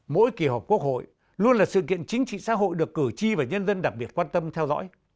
mỗi kỳ họp quốc hội luôn là sự kiện chính trị xã hội được cử tri và nhân dân đặc biệt quan tâm theo dõi